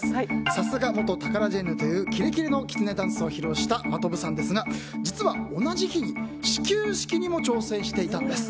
さすが元タカラジェンヌというキレキレのきつねダンスを披露した真飛さんですが実は、同じ日に始球式にも挑戦していたんです。